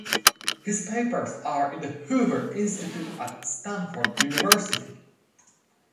His papers are in the Hoover Institute at Stanford University.